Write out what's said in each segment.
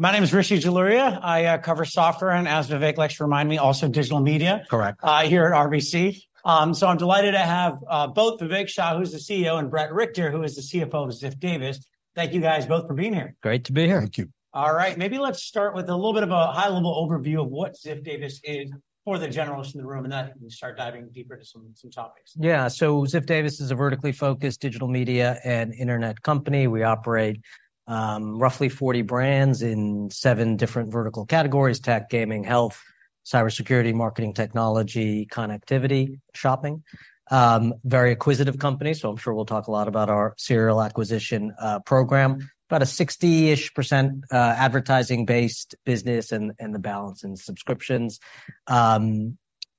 My name is Rishi Jaluria. I cover software, and as Vivek likes to remind me, also digital media- Correct. here at RBC. So I'm delighted to have both Vivek Shah, who's the CEO, and Bret Richter, who is the CFO of Ziff Davis. Thank you, guys, both for being here. Great to be here. Thank you. All right, maybe let's start with a little bit of a high-level overview of what Ziff Davis is for the generalists in the room, and then we can start diving deeper into some topics. Yeah. So Ziff Davis is a vertically focused digital media and internet company. We operate roughly 40 brands in 7 different vertical categories: tech, gaming, health, cybersecurity, marketing, technology, connectivity, shopping. Very acquisitive company, so I'm sure we'll talk a lot about our serial acquisition programme. About a 60-ish%, advertising-based business, and the balance in subscriptions.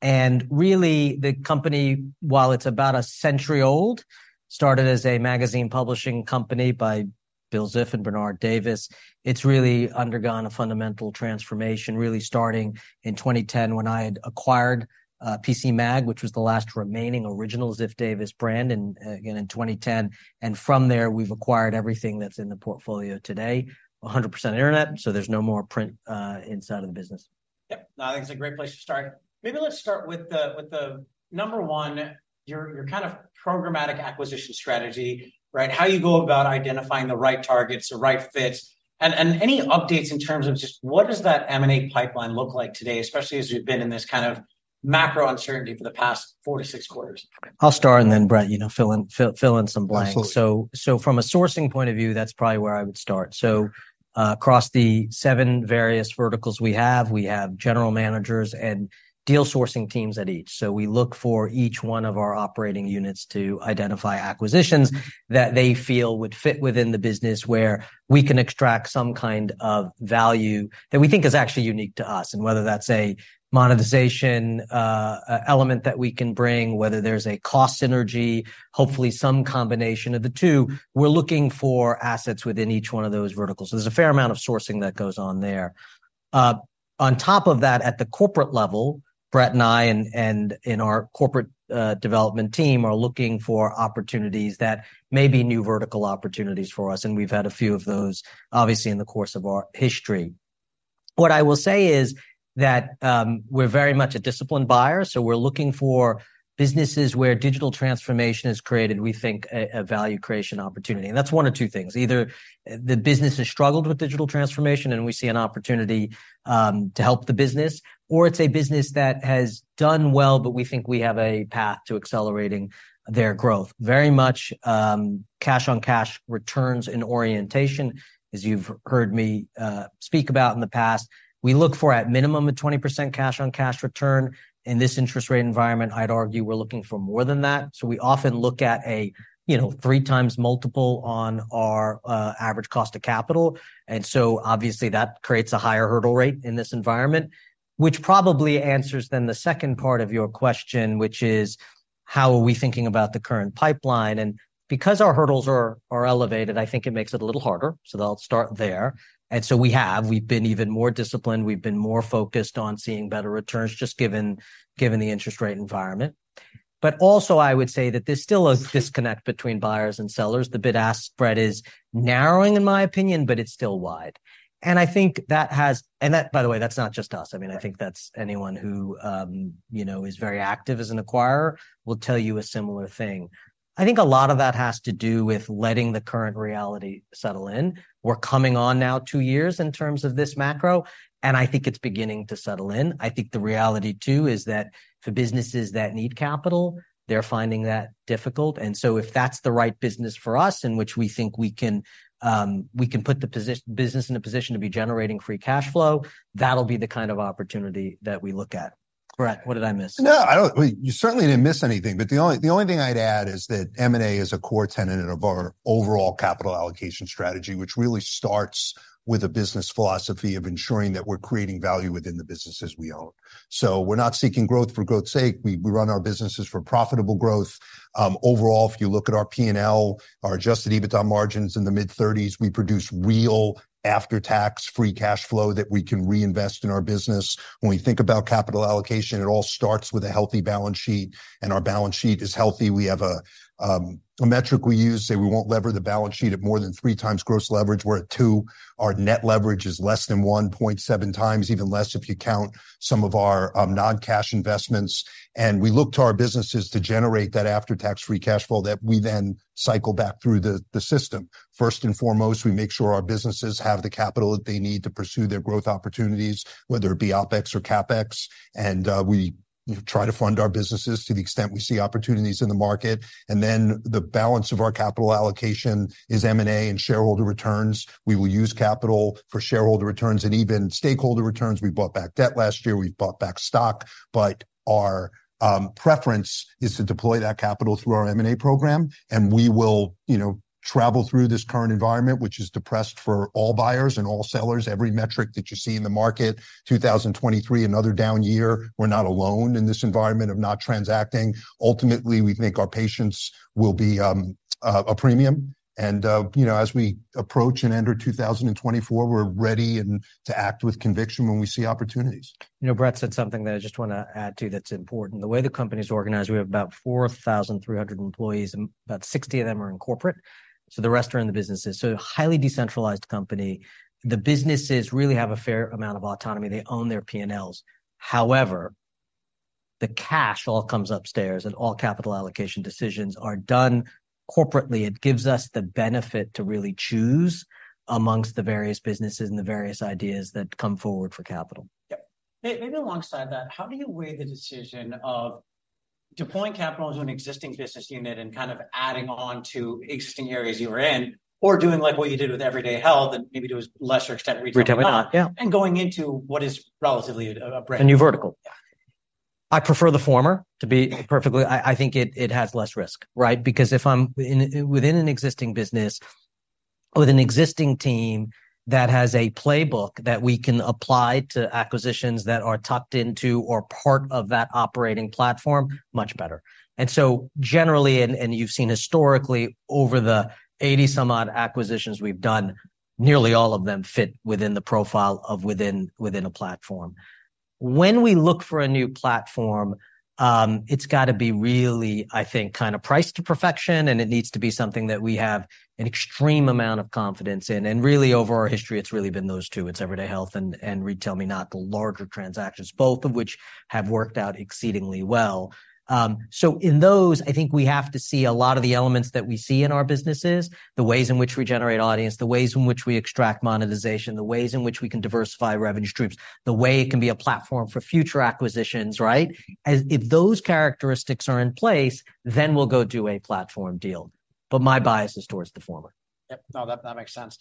And really, the company, while it's about a century old, started as a magazine publishing company by Bill Ziff and Bernard Davis. It's really undergone a fundamental transformation, really starting in 2010, when I had acquired PCMag, which was the last remaining original Ziff Davis brand, and again, in 2010. And from there, we've acquired everything that's in the portfolio today. 100% internet, so there's no more print inside of the business. Yep. No, I think it's a great place to start. Maybe let's start with the number one, your kind of programmatic acquisition strategy, right? How you go about identifying the right targets, the right fits, and any updates in terms of just what does that M&A pipeline look like today, especially as we've been in this kind of macro uncertainty for the past 4-6 quarters? I'll start, and then, Bret, you know, fill in some blanks. Absolutely. So, from a sourcing point of view, that's probably where I would start. So, across the seven various verticals we have, we have general managers and deal sourcing teams at each. So we look for each one of our operating units to identify acquisitions that they feel would fit within the business, where we can extract some kind of value that we think is actually unique to us, and whether that's a monetization element that we can bring, whether there's a cost synergy, hopefully some combination of the two. We're looking for assets within each one of those verticals, so there's a fair amount of sourcing that goes on there. On top of that, at the corporate level, Bret and I and our corporate development team are looking for opportunities that may be new vertical opportunities for us, and we've had a few of those, obviously, in the course of our history. What I will say is that, we're very much a disciplined buyer, so we're looking for businesses where digital transformation has created, we think, a value creation opportunity. And that's one of two things: either the business has struggled with digital transformation, and we see an opportunity to help the business, or it's a business that has done well, but we think we have a path to accelerating their growth. Very much, cash-on-cash returns in orientation. As you've heard me speak about in the past, we look for, at minimum, a 20% cash-on-cash return. In this interest rate environment, I'd argue we're looking for more than that. So we often look at a, you know, 3x multiple on our average cost of capital, and so obviously that creates a higher hurdle rate in this environment. Which probably answers then the second part of your question, which is: how are we thinking about the current pipeline? And because our hurdles are elevated, I think it makes it a little harder, so I'll start there. And so we have. We've been even more disciplined. We've been more focused on seeing better returns, just given the interest rate environment. But also, I would say that there's still a disconnect between buyers and sellers. The bid-ask spread is narrowing, in my opinion, but it's still wide. And I think that has... And that, by the way, that's not just us. I mean, I think that's anyone who, you know, is very active as an acquirer will tell you a similar thing. I think a lot of that has to do with letting the current reality settle in. We're coming on now two years in terms of this macro, and I think it's beginning to settle in. I think the reality, too, is that for businesses that need capital, they're finding that difficult. And so if that's the right business for us, in which we think we can, we can put the business in a position to be generating free cash flow, that'll be the kind of opportunity that we look at. Bret, what did I miss? No, I don't... You certainly didn't miss anything. But the only, the only thing I'd add is that M&A is a core tenet of our overall capital allocation strategy, which really starts with a business philosophy of ensuring that we're creating value within the businesses we own. So we're not seeking growth for growth's sake. We, we run our businesses for profitable growth. Overall, if you look at our P&L, our Adjusted EBITDA margin's in the mid-thirties, we produce real after-tax free cash flow that we can reinvest in our business. When we think about capital allocation, it all starts with a healthy balance sheet, and our balance sheet is healthy. We have a, a metric we use, say we won't lever the balance sheet at more than three times gross leverage. We're at two. Our net leverage is less than 1.7x, even less if you count some of our, non-cash investments. And we look to our businesses to generate that after-tax free cash flow that we then cycle back through the system. First and foremost, we make sure our businesses have the capital that they need to pursue their growth opportunities, whether it be OpEx or CapEx, and, we try to fund our businesses to the extent we see opportunities in the market. And then the balance of our capital allocation is M&A and shareholder returns. We will use capital for shareholder returns and even stakeholder returns. We bought back debt last year, we've bought back stock, but our preference is to deploy that capital through our M&A program, and we will, you know, travel through this current environment, which is depressed for all buyers and all sellers. Every metric that you see in the market, 2023, another down year. We're not alone in this environment of not transacting. Ultimately, we think our patience will be a premium. And, you know, as we approach and enter 2024, we're ready and to act with conviction when we see opportunities. You know, Bret said something that I just wanna add to that's important. The way the company's organized, we have about 4,300 employees, and about 60 of them are in corporate, so the rest are in the businesses. So a highly decentralized company. The businesses really have a fair amount of autonomy. They own their P&Ls. However, the cash all comes upstairs and all capital allocation decisions are done corporately. It gives us the benefit to really choose amongst the various businesses and the various ideas that come forward for capital. Yep. Maybe alongside that, how do you weigh the decision of deploying capital into an existing business unit and kind of adding on to existing areas you were in, or doing like what you did with Everyday Health, and maybe to a lesser extent, RetailMeNot? RetailMeNot, yeah. - and going into what is relatively a brand new- A new vertical? Yeah. I prefer the former, to be perfectly—I think it has less risk, right? Because if I'm within an existing business with an existing team that has a playbook that we can apply to acquisitions that are tucked into or part of that operating platform, much better. And so generally, you've seen historically over the 80-some-odd acquisitions we've done, nearly all of them fit within the profile of within a platform. When we look for a new platform, it's gotta be really, I think, kind of priced to perfection, and it needs to be something that we have an extreme amount of confidence in. And really, over our history, it's really been those two. It's Everyday Health and RetailMeNot, the larger transactions, both of which have worked out exceedingly well. So in those, I think we have to see a lot of the elements that we see in our businesses, the ways in which we generate audience, the ways in which we extract monetization, the ways in which we can diversify revenue streams, the way it can be a platform for future acquisitions, right? As if those characteristics are in place, then we'll go do a platform deal, but my bias is towards the former. Yep. No, that, that makes sense.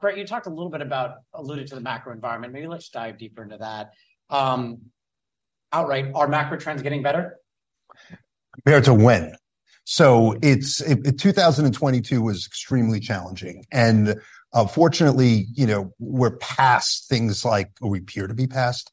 Bret, you talked a little bit about... alluded to the macro environment. Maybe let's dive deeper into that. Outright, are macro trends getting better? Compared to when? So 2022 was extremely challenging, and, fortunately, you know, we're past things like, or we appear to be past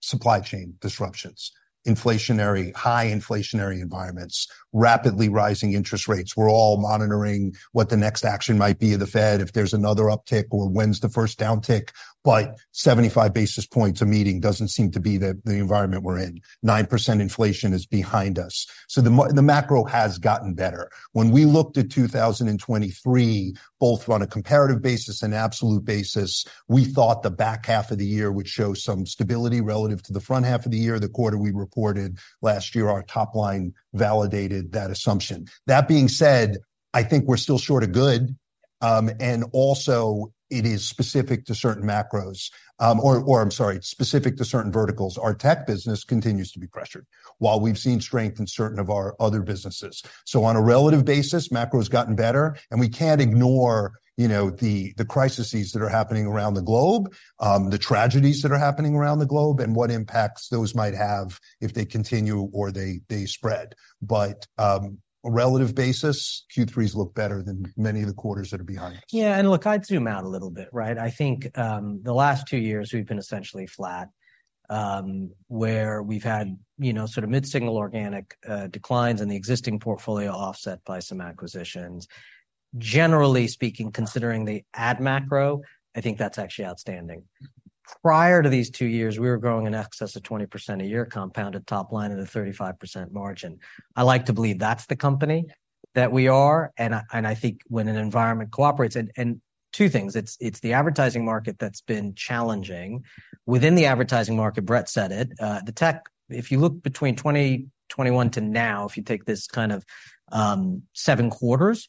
supply chain disruptions, high inflationary environments, rapidly rising interest rates. We're all monitoring what the next action might be of the Fed, if there's another uptick or when's the first downtick. But 75 basis points a meeting doesn't seem to be the environment we're in. 9% inflation is behind us, so the macro has gotten better. When we looked at 2023, both on a comparative basis and absolute basis, we thought the back half of the year would show some stability relative to the front half of the year. The quarter we reported last year, our top line validated that assumption. That being said, I think we're still short of good, and also it is specific to certain verticals. Our tech business continues to be pressured, while we've seen strength in certain of our other businesses. So on a relative basis, macro has gotten better, and we can't ignore, you know, the crises that are happening around the globe, the tragedies that are happening around the globe, and what impacts those might have if they continue or they spread. But on a relative basis, Q3s look better than many of the quarters that are behind us. Yeah, and look, I'd zoom out a little bit, right? I think the last two years we've been essentially flat, where we've had, you know, sort of mid-single organic declines in the existing portfolio, offset by some acquisitions. Generally speaking, considering the ad macro, I think that's actually outstanding. Prior to these two years, we were growing in excess of 20% a year, compounded top line at a 35% margin. I like to believe that's the company that we are, and I, and I think when an environment cooperates... And two things, it's the advertising market that's been challenging. Within the advertising market, Bret said it, the tech, if you look between 2021 to now, if you take this kind of seven quarters,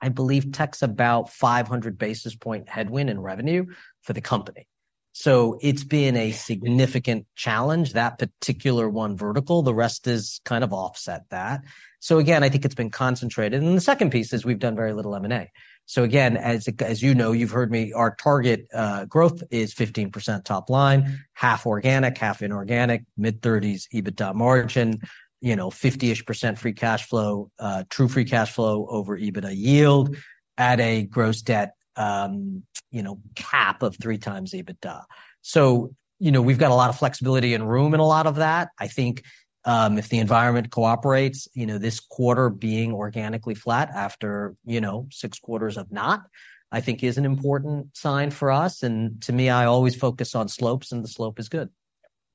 I believe tech's about 500 basis point headwind in revenue for the company. So it's been a significant challenge, that particular one vertical. The rest has kind of offset that. So again, I think it's been concentrated. And the second piece is we've done very little M&A. So again, as you know, you've heard me, our target growth is 15% top line, half organic, half inorganic, mid-thirties EBITDA margin, you know, 50-ish% free cash flow, true free cash flow over EBITDA yield at a gross debt, you know, cap of 3x EBITDA. So, you know, we've got a lot of flexibility and room in a lot of that. I think, if the environment cooperates, you know, this quarter being organically flat after, you know, 6 quarters of not, I think is an important sign for us. And to me, I always focus on slopes, and the slope is good.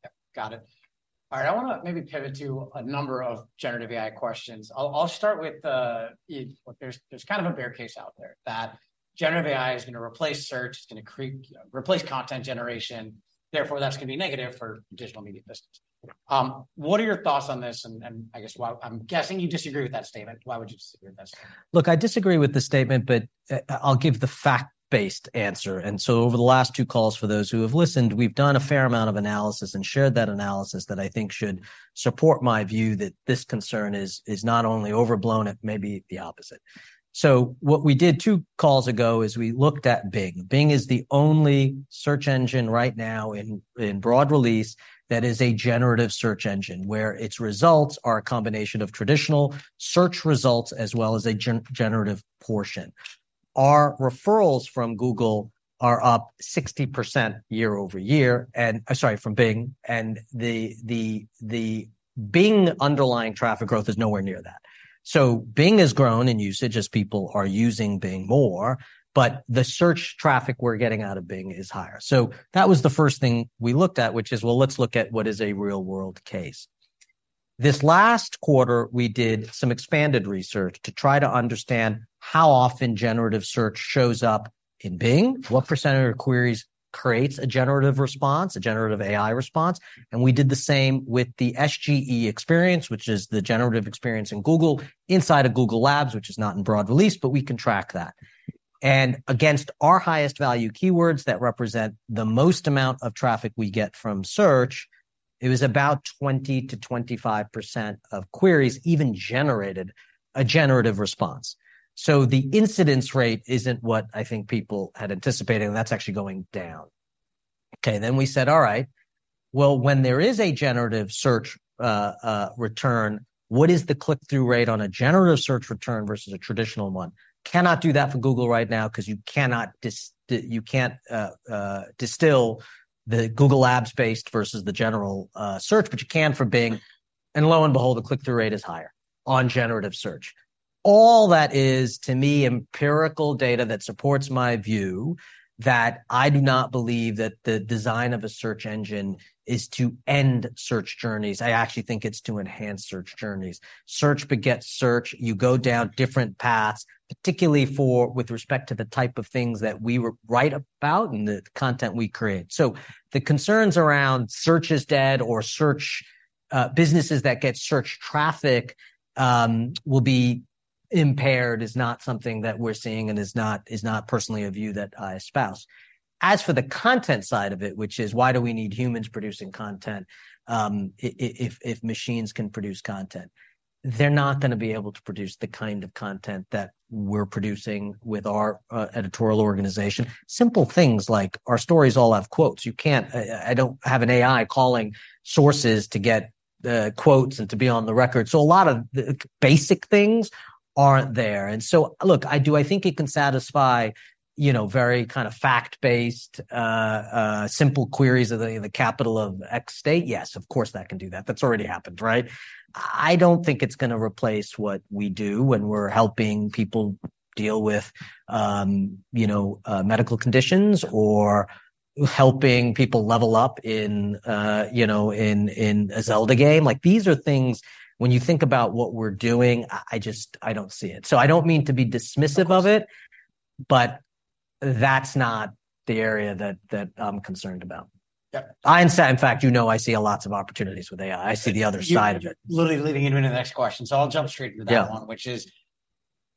Yep, got it. All right, I wanna maybe pivot to a number of generative AI questions. I'll start with, I'd, there's kind of a bear case out there that generative AI is gonna replace search, it's gonna replace content generation, therefore, that's gonna be negative for digital media business. What are your thoughts on this? And I guess, well, I'm guessing you disagree with that statement. Why would you disagree with that statement? Look, I disagree with the statement, but I'll give the fact-based answer. And so over the last two calls, for those who have listened, we've done a fair amount of analysis and shared that analysis that I think should support my view that this concern is not only overblown, it may be the opposite. So what we did two calls ago is we looked at Bing. Bing is the only search engine right now in broad release that is a generative search engine, where its results are a combination of traditional search results as well as a generative portion. Our referrals from Bing are up 60% year-over-year, and the Bing underlying traffic growth is nowhere near that. So Bing has grown in usage as people are using Bing more, but the search traffic we're getting out of Bing is higher. So that was the first thing we looked at, which is, well, let's look at what is a real-world case. This last quarter, we did some expanded research to try to understand how often generative search shows up in Bing, what percentage of queries creates a generative response, a generative AI response. And we did the same with the SGE experience, which is the generative experience in Google, inside of Google Labs, which is not in broad release, but we can track that. And against our highest value keywords that represent the most amount of traffic we get from search, it was about 20%-25% of queries even generated a generative response. So the incidence rate isn't what I think people had anticipated, and that's actually going down. Okay, then we said, "All right. Well, when there is a generative search return, what is the click-through rate on a generative search return versus a traditional one?" Cannot do that for Google right now 'cause you cannot distill the Google Labs based versus the general search, but you can for Bing. And lo and behold, the click-through rate is higher on generative search. All that is, to me, empirical data that supports my view, that I do not believe that the design of a search engine is to end search journeys. I actually think it's to enhance search journeys. Search begets search. You go down different paths, particularly for, with respect to the type of things that we write about and the content we create. So the concerns around search is dead or search businesses that get search traffic will be impaired is not something that we're seeing, and is not personally a view that I espouse. As for the content side of it, which is why do we need humans producing content, if machines can produce content? They're not gonna be able to produce the kind of content that we're producing with our editorial organization. Simple things like our stories all have quotes. You can't... I don't have an AI calling sources to get quotes and to be on the record. So a lot of the basic things aren't there. And so look, do I think it can satisfy, you know, very kind of fact-based, simple queries of the capital of X state? Yes, of course, that can do that. That's already happened, right? I don't think it's gonna replace what we do when we're helping people deal with, you know, medical conditions or helping people level up in, you know, in a Zelda game. Like, these are things, when you think about what we're doing, I just I don't see it. So I don't mean to be dismissive of it, but that's not the area that I'm concerned about. Yeah. In fact, you know, I see a lot of opportunities with AI. I see the other side of it. You're literally leading into the next question, so I'll jump straight into that one- Yeah... which is,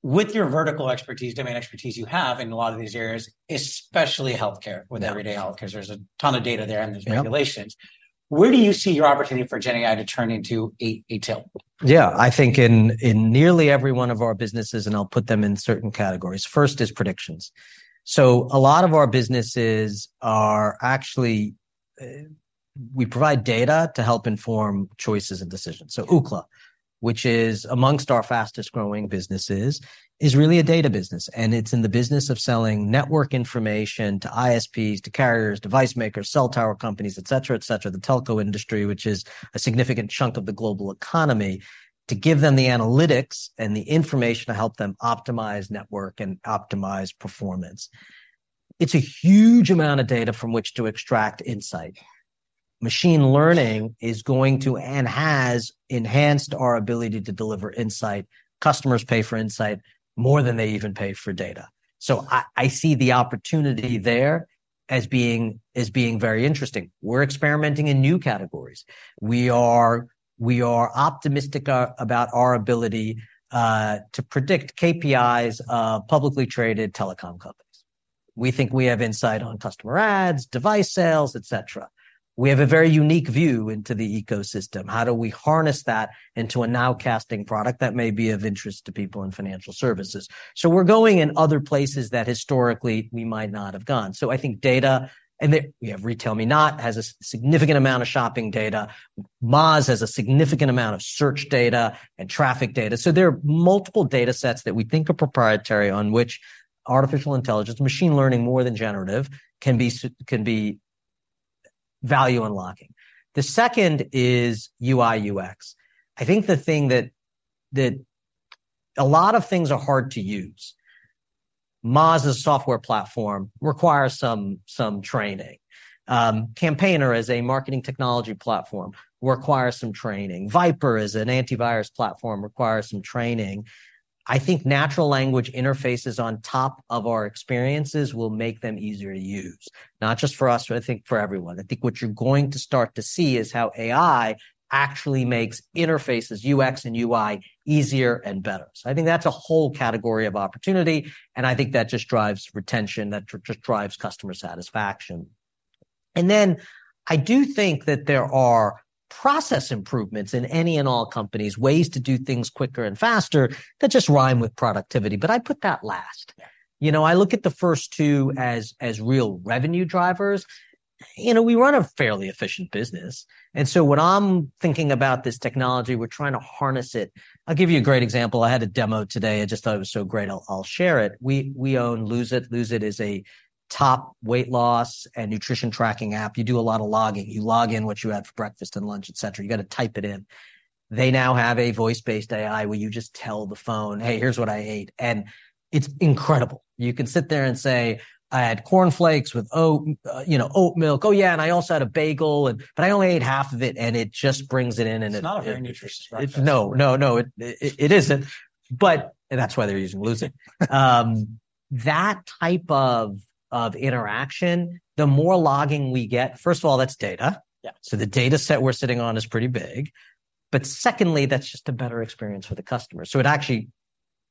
with your vertical expertise, domain expertise you have in a lot of these areas, especially healthcare- Yeah with Everyday Health, 'cause there's a ton of data there, and there's regulations. Yeah. Where do you see your opportunity for GenAI to turn into retail? Yeah. I think in, in nearly every one of our businesses, and I'll put them in certain categories. First is predictions. So a lot of our businesses are actually. We provide data to help inform choices and decisions. So Ookla, which is among our fastest growing businesses, is really a data business, and it's in the business of selling network information to ISPs, to carriers, device makers, cell tower companies, et cetera, et cetera. The telco industry, which is a significant chunk of the global economy, to give them the analytics and the information to help them optimize network and optimize performance. It's a huge amount of data from which to extract insight. Machine learning is going to, and has, enhanced our ability to deliver insight. Customers pay for insight more than they even pay for data. So I see the opportunity there as being very interesting. We're experimenting in new categories. We are optimistic about our ability to predict KPIs of publicly traded telecom companies. We think we have insight on customer adds, device sales, et cetera. We have a very unique view into the ecosystem. How do we harness that into a now-casting product that may be of interest to people in financial services? So we're going in other places that historically we might not have gone. So I think data, and we have RetailMeNot, has a significant amount of shopping data. Moz has a significant amount of search data and traffic data. So there are multiple data sets that we think are proprietary, on which artificial intelligence, machine learning, more than generative, can be value unlocking. The second is UI/UX. I think the thing that a lot of things are hard to use. Moz's software platform requires some training. Campaigner, as a marketing technology platform, requires some training. VIPRE, as an antivirus platform, requires some training. I think natural language interfaces on top of our experiences will make them easier to use, not just for us, but I think for everyone. I think what you're going to start to see is how AI actually makes interfaces, UX and UI, easier and better. So I think that's a whole category of opportunity, and I think that just drives retention, just drives customer satisfaction. And then I do think that there are process improvements in any and all companies, ways to do things quicker and faster, that just rhyme with productivity, but I'd put that last. Yeah. You know, I look at the first two as real revenue drivers. You know, we run a fairly efficient business, and so when I'm thinking about this technology, we're trying to harness it. I'll give you a great example. I had a demo today. I just thought it was so great, I'll share it. We own Lose It!. Lose It! is a top weight loss and nutrition tracking app. You do a lot of logging. You log in what you had for breakfast and lunch, et cetera. You gotta type it in. They now have a voice-based AI, where you just tell the phone, "Hey, here's what I ate," and it's incredible. You can sit there and say, "I had cornflakes with oat, you know, oat milk. Oh yeah, and I also had a bagel, and- but I only ate half of it," and it just brings it in, and it- It's not a very nutritious breakfast. No, no, no. It isn't, but... And that's why they're using Lose It! That type of interaction, the more logging we get, first of all, that's data. Yeah. So the data set we're sitting on is pretty big... but secondly, that's just a better experience for the customer. So it actually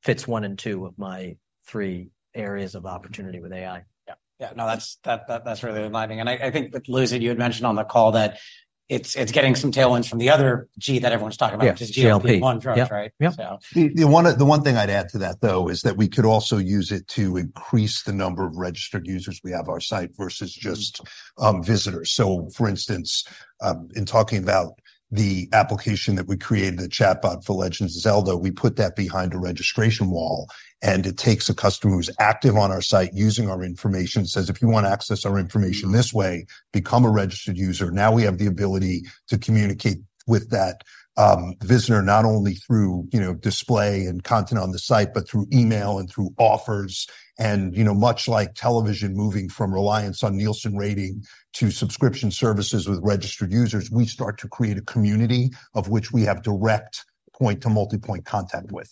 fits one in two of my three areas of opportunity with AI. Yeah. Yeah, no, that's really enlightening. And I think with Lose It!, you had mentioned on the call that it's getting some tailwinds from the other G that everyone's talking about- Yeah, GLP GLP-1 drugs, right? Yeah. So- The one thing I'd add to that, though, is that we could also use it to increase the number of registered users we have our site versus just- Mm... visitors. So for instance, in talking about the application that we created, the chatbot for Legend of Zelda, we put that behind a registration wall, and it takes a customer who's active on our site, using our information, says, "If you want to access our information this way, become a registered user." Now we have the ability to communicate with that visitor, not only through, you know, display and content on the site, but through email and through offers. And, you know, much like television, moving from reliance on Nielsen rating to subscription services with registered users, we start to create a community of which we have direct point to multipoint contact with.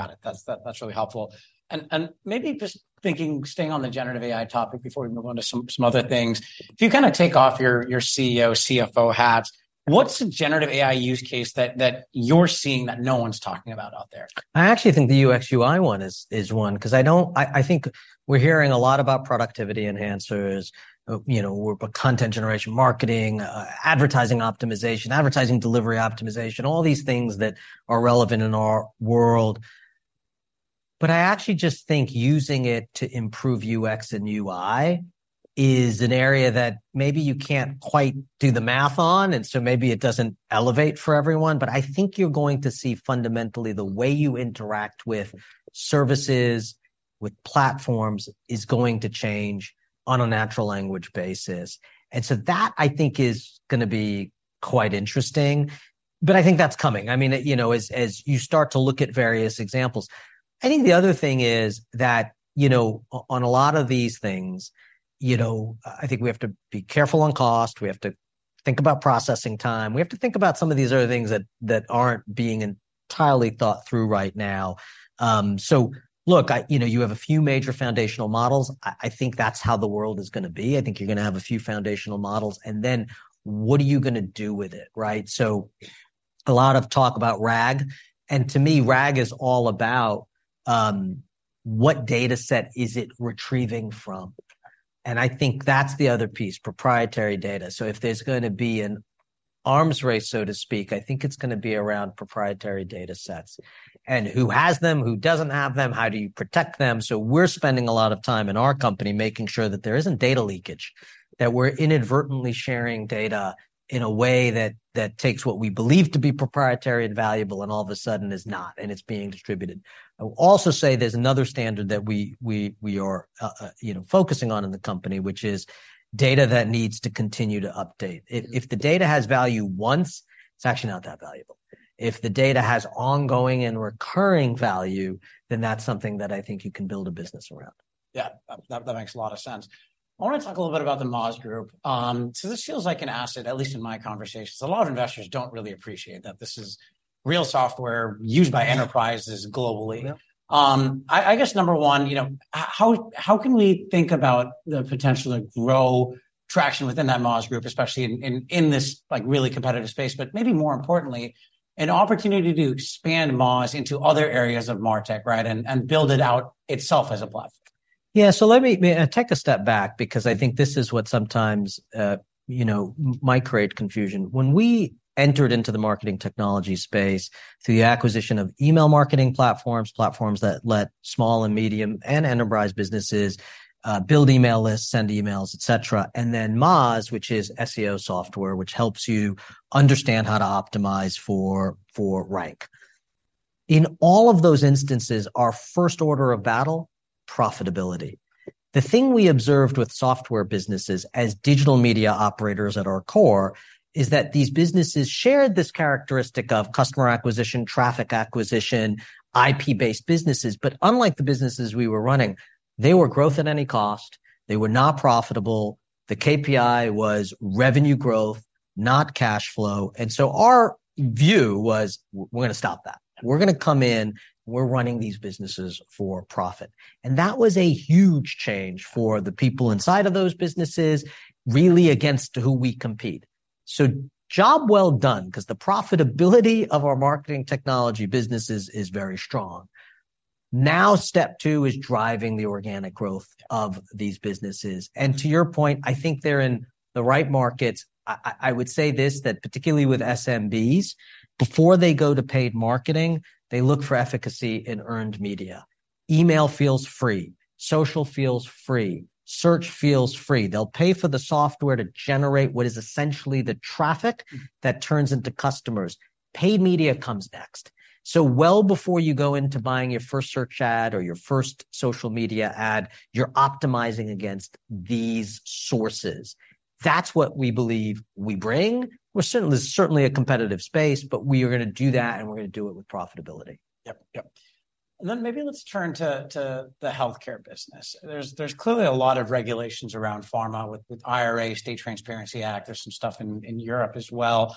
Yeah. Yeah, got it. That's, that's really helpful. And, and maybe just thinking, staying on the generative AI topic before we move on to some, some other things. If you kind of take off your, your CEO, CFO hats, what's the generative AI use case that, that you're seeing that no one's talking about out there? I actually think the UX/UI one is one, 'cause I don't think we're hearing a lot about productivity enhancers. You know, we're content generation, marketing, advertising optimization, advertising delivery optimization, all these things that are relevant in our world. But I actually just think using it to improve UX and UI is an area that maybe you can't quite do the math on, and so maybe it doesn't elevate for everyone. But I think you're going to see fundamentally the way you interact with services, with platforms, is going to change on a natural language basis. And so that, I think, is gonna be quite interesting, but I think that's coming. I mean, you know, as you start to look at various examples. I think the other thing is that, you know, on a lot of these things, you know, I think we have to be careful on cost, we have to think about processing time, we have to think about some of these other things that aren't being entirely thought through right now. So look, you know, you have a few major foundational models. I think that's how the world is gonna be. I think you're gonna have a few foundational models, and then what are you gonna do with it, right? So a lot of talk about RAG, and to me, RAG is all about what data set is it retrieving from? And I think that's the other piece, proprietary data. So if there's gonna be an arms race, so to speak, I think it's gonna be around proprietary data sets. Who has them, who doesn't have them, how do you protect them? So we're spending a lot of time in our company making sure that there isn't data leakage, that we're inadvertently sharing data in a way that, that takes what we believe to be proprietary and valuable, and all of a sudden is not, and it's being distributed. I will also say there's another standard that we are, you know, focusing on in the company, which is data that needs to continue to update. Mm. If the data has value once, it's actually not that valuable. If the data has ongoing and recurring value, then that's something that I think you can build a business around. Yeah, that, that makes a lot of sense. I wanna talk a little bit about the Moz Group. So this feels like an asset, at least in my conversations. A lot of investors don't really appreciate that this is real software used by enterprises globally. Yeah. I guess number one, you know, how can we think about the potential to grow traction within that Moz Group, especially in this like really competitive space, but maybe more importantly, an opportunity to expand Moz into other areas of MarTech, right? And build it out itself as a platform. Yeah, so let me take a step back because I think this is what sometimes you know might create confusion. When we entered into the marketing technology space, through the acquisition of email marketing platforms, platforms that let small and medium and enterprise businesses build email lists, send emails, et cetera. And then Moz, which is SEO software, which helps you understand how to optimize for rank. In all of those instances, our first order of battle, profitability. The thing we observed with software businesses as digital media operators at our core, is that these businesses shared this characteristic of customer acquisition, traffic acquisition, IP-based businesses. But unlike the businesses we were running, they were growth at any cost, they were not profitable. The KPI was revenue growth, not cash flow. And so our view was, "We're gonna stop that. We're gonna come in, we're running these businesses for profit." And that was a huge change for the people inside of those businesses, really against who we compete. So job well done, 'cause the profitability of our marketing technology businesses is very strong. Now, step two is driving the organic growth of these businesses. And to your point, I think they're in the right markets. I would say this, that particularly with SMBs, before they go to paid marketing, they look for efficacy in earned media. Email feels free, social feels free, search feels free. They'll pay for the software to generate what is essentially the traffic- Mm... that turns into customers. Paid media comes next. So well before you go into buying your first search ad or your first social media ad, you're optimizing against these sources. That's what we believe we bring. We're certainly, it's certainly a competitive space, but we are gonna do that, and we're gonna do it with profitability. Yep. Yep. And then maybe let's turn to the healthcare business. There's clearly a lot of regulations around pharma with IRA, State Transparency Act. There's some stuff in Europe as well.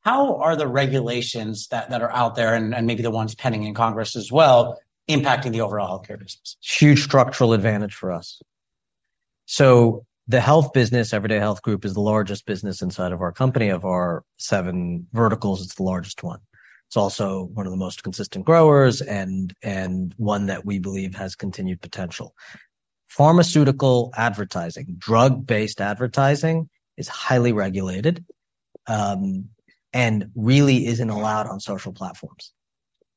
How are the regulations that are out there, and maybe the ones pending in Congress as well, impacting the overall healthcare business? Huge structural advantage for us. So the health business, Everyday Health Group, is the largest business inside of our company. Of our seven verticals, it's the largest one. It's also one of the most consistent growers and, and one that we believe has continued potential. Pharmaceutical advertising, drug-based advertising, is highly regulated, and really isn't allowed on social platforms.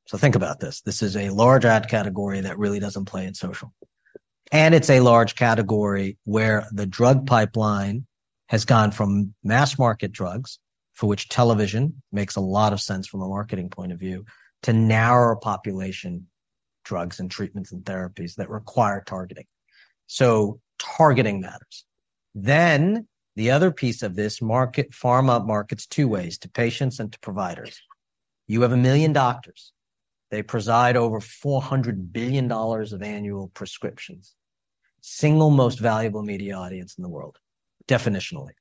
So think about this. This is a large ad category that really doesn't play in social, and it's a large category where the drug pipeline has gone from mass-market drugs, for which television makes a lot of sense from a marketing point of view, to narrower population drugs and treatments and therapies that require targeting. So targeting matters. Then, the other piece of this market, pharma markets two ways: to patients and to providers. You have 1 million doctors. They preside over $400 billion of annual prescriptions. Single most valuable media audience in the world, definitionally.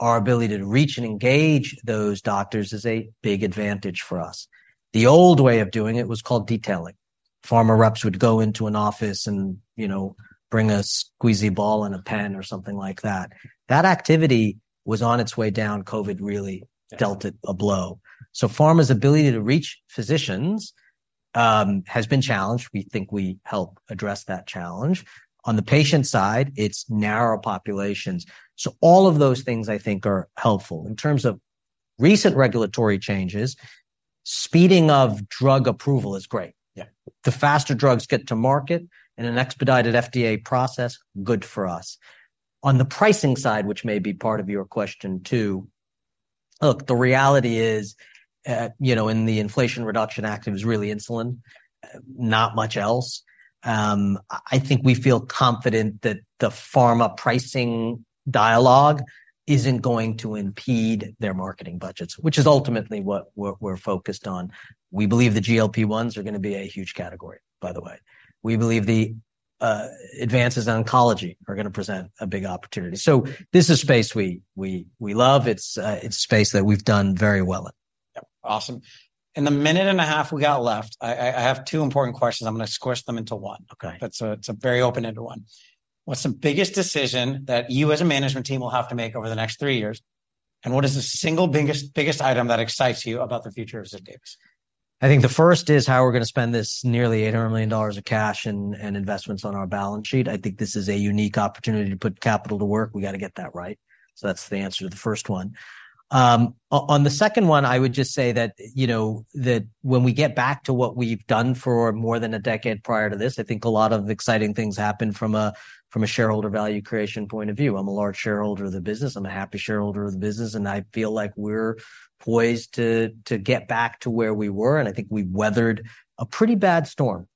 Our ability to reach and engage those doctors is a big advantage for us. The old way of doing it was called detailing. Pharma reps would go into an office and, you know, bring a squeezy ball and a pen or something like that. That activity was on its way down. COVID really dealt it a blow. So pharma's ability to reach physicians has been challenged. We think we help address that challenge. On the patient side, it's narrower populations. So all of those things I think are helpful. In terms of recent regulatory changes, speeding of drug approval is great. Yeah. The faster drugs get to market in an expedited FDA process, good for us. On the pricing side, which may be part of your question, too, look, the reality is, you know, in the Inflation Reduction Act, it was really insulin, not much else. I think we feel confident that the pharma pricing dialogue isn't going to impede their marketing budgets, which is ultimately what we're focused on. We believe the GLP-1s are gonna be a huge category, by the way. We believe the advances in oncology are gonna present a big opportunity. So this is space we love. It's space that we've done very well in. Yep. Awesome. In the minute and a half we got left, I have two important questions. I'm gonna squish them into one. Okay. That's, it's a very open-ended one. What's the biggest decision that you as a management team will have to make over the next three years? And what is the single biggest, biggest item that excites you about the future of Ziff Davis? I think the first is how we're gonna spend this nearly $800 million of cash and, and investments on our balance sheet. I think this is a unique opportunity to put capital to work. We gotta get that right. So that's the answer to the first one. On the second one, I would just say that, you know, that when we get back to what we've done for more than a decade prior to this, I think a lot of exciting things happen from a, from a shareholder value creation point of view. I'm a large shareholder of the business, I'm a happy shareholder of the business, and I feel like we're poised to, to get back to where we were, and I think we've weathered a pretty bad storm.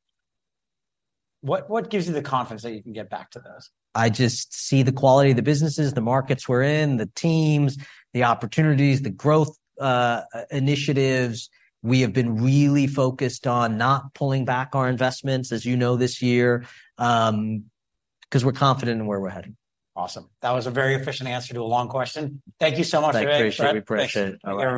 What, what gives you the confidence that you can get back to this? I just see the quality of the businesses, the markets we're in, the teams, the opportunities, the growth, initiatives. We have been really focused on not pulling back our investments, as you know, this year, 'cause we're confident in where we're headed. Awesome. That was a very efficient answer to a long question. Thank you so much, Bret. Thank you, sir. We appreciate it. All right.